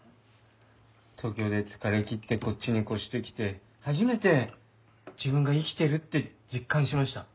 東京で疲れきってこっちに越してきて初めて自分が生きてるって実感しました。